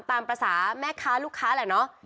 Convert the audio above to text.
ตามภาษาแม่ค้าลูกค้าแหละเนาะ